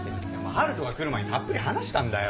春斗が来る前にたっぷり話したんだよ。